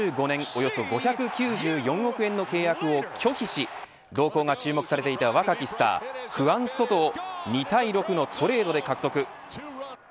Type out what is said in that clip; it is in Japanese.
およそ５９４億円の契約を拒否し動向が注目されていた若きスターフアン・ソトを２対６のトレードで獲得。